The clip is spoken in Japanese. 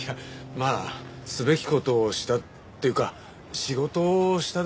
まあすべき事をしたっていうか仕事をしただけですよ。